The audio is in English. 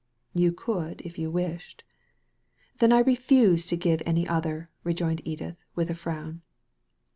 " You could if you wished." Then I refuse to give any other," rejoined Edith, with a frown.